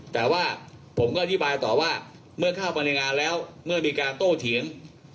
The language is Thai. แต่ว่าผมก็อธิบายต่อว่าเมื่อเข้าไปในงานแล้วเมื่อมีการโต้เถียง